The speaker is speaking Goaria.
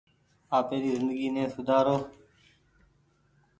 آپيري زندگي ني سوُدآرو ۔